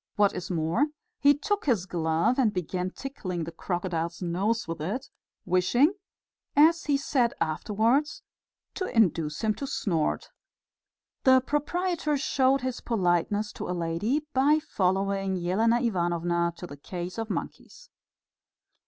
What is more, he took his glove and began tickling the crocodile's nose with it, wishing, as he said afterwards, to induce him to snort. The proprietor showed his politeness to a lady by following Elena Ivanovna to the case of monkeys.